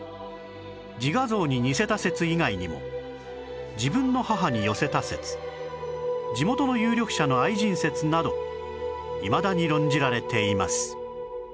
自画像に似せた説以外にも自分の母に寄せた説地元の有力者の愛人説などいまだに論じられています